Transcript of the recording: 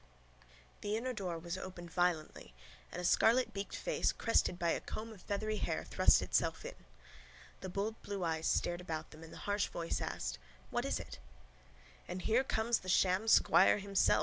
The inner door was opened violently and a scarlet beaked face, crested by a comb of feathery hair, thrust itself in. The bold blue eyes stared about them and the harsh voice asked: —What is it? —And here comes the sham squire himself!